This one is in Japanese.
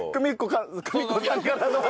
久美子さんからの。